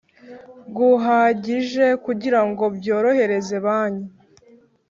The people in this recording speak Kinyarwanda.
Guhagije kugira ngo byorohereze banki